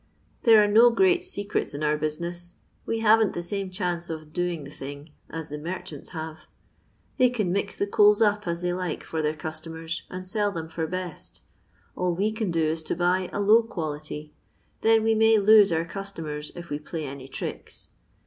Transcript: There are no great tecrela in our business ; we haven't the same chaneo of 'doii^ the thing ' as the merchants have. They can mix the coals up as they like for their customers, and sell them for best ; all we can do is to boy a low quality ; then we may lose our customers if we play any tricks.